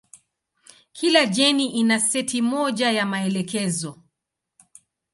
Kila jeni ina seti moja ya maelekezo.